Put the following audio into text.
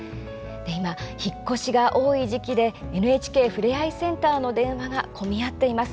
今、引っ越しが多い時期でＮＨＫふれあいセンターの電話が混み合っています。